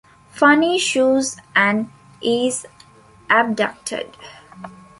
Funny Shoes and is abducted.